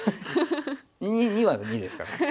２２は２ですからね。